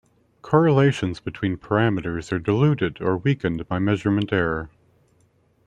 Correlations between parameters are diluted or weakened by measurement error.